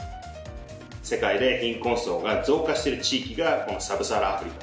世界で貧困層が増加してる地域がこのサブサハラ・アフリカ。